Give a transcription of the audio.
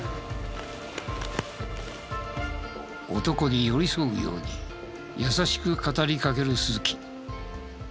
男に寄り添うように優しく語りかける鈴木。